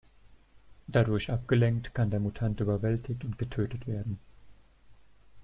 Dadurch abgelenkt, kann der Mutant überwältigt und getötet werden.